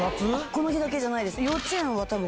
この日だけじゃないです。